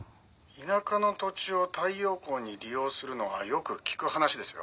「田舎の土地を太陽光に利用するのはよく聞く話ですよ」